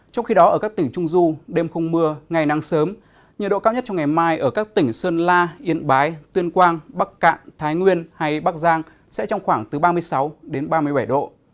trong khi đó ở các tỉnh trung du đêm không mưa ngày nắng sớm nhiệt độ cao nhất trong ngày mai ở các tỉnh sơn la yên bái tuyên quang bắc cạn thái nguyên hay bắc giang sẽ trong khoảng từ ba mươi sáu đến ba mươi bảy độ